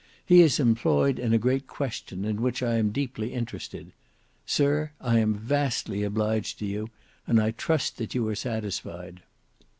He is employed in a great question in which I am deeply interested. Sir, I am vastly obliged to you, and I trust that you are satisfied."